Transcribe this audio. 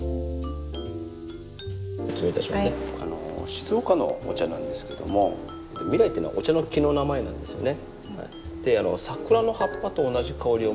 静岡のお茶なんですけども「みらい」というのはお茶の木の名前なんですよね。